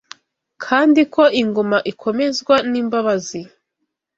kandi ko ingoma ikomezwa n’imbabazi